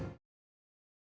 apa jangan jangan berpulang